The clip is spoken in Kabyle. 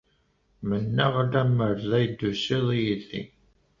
Mennaɣ lemmer d ay d-tusiḍ yid-i.